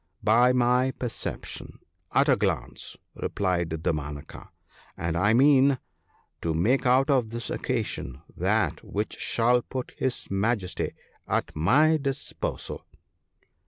* By my perception — at a glance !' replied Damanaka ; 'and I mean to make out of this occasion that which shall put his Majesty at my disposal.'